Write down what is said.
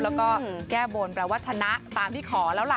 แล้วก็แก้บนแปลว่าชนะตามที่ขอแล้วล่ะ